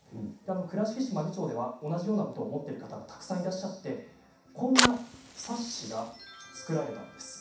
倉敷市真備町では同じようなことを思っていらっしゃる方がたくさんいらっしゃってこんな冊子が作られたんです。